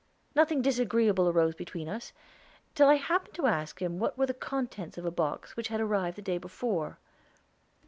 Nothing disagreeable arose between us, till I happened to ask him what were the contents of a box which had arrived the day before.